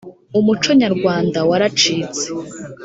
umuco nyarwanda waracitse